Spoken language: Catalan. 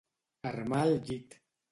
Armar el llit.